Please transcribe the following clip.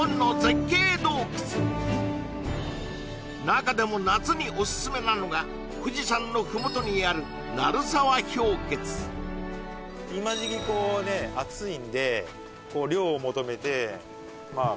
中でも夏にオススメなのが富士山の麓にある今時期にこうね暑いんで涼を求めてまあ